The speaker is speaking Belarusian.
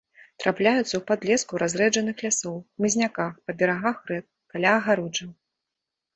Трапляюцца ў падлеску разрэджаных лясоў, хмызняках, па берагах рэк, каля агароджаў.